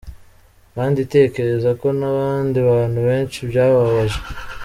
Kandi tekereza ko n’abandi bantu benshi byabababaje.